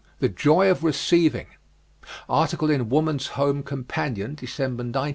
THE JOY OF RECEIVING. Article in Woman's Home Companion, December, 1914.